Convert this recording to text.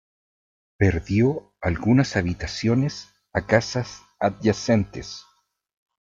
Perdió algunas habitaciones a casas adyacentes.